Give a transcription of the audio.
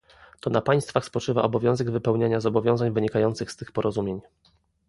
To na państwach spoczywa obowiązek wypełniania zobowiązań wynikających z tych porozumień